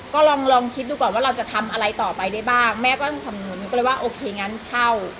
ก็ลองลองคิดดูก่อนว่าเราจะทำอะไรต่อไปได้บ้างแม่ก็สำนุนหนูก็เลยว่าโอเคงั้นเช่า